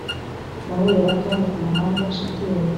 Nahuye na Tom kumuhanda shitingi